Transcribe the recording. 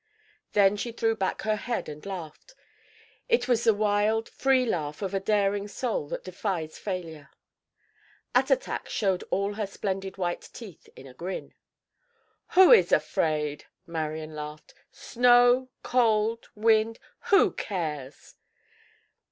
Then she threw back her head and laughed. It was the wild, free laugh of a daring soul that defies failure. Attatak showed all her splendid white teeth in a grin. "Who is afraid?" Marian laughed. "Snow, cold, wind—who cares?"